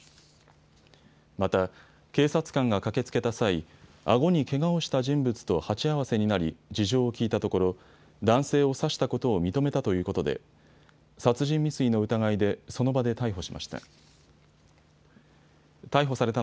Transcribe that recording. また警察官が駆けつけた際、あごにけがをした人物と鉢合わせになり事情を聴いたところ男性を刺したことを認めたということで殺人未遂の疑いでその場で逮捕しました。